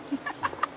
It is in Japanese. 「ハハハハ！」